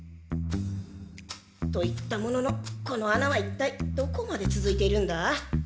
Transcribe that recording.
と言ったもののこのあなは一体どこまでつづいているんだ？